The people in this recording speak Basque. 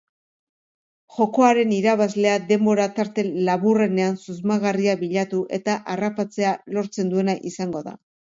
Jokoaren irabazlea denbora tarte laburrenean susmagarria bilatu eta harrapatzea lortzen duena izango da.